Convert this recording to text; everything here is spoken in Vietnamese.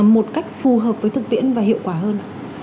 một cách phù hợp với thực tiễn và hiệu quả hơn